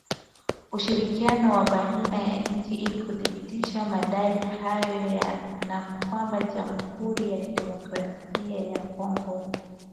Ushirikiano wa baina ya nchi ili kuthibitisha madai hayo na kwamba Jamuhuri ya Kidemokrasia ya Kongo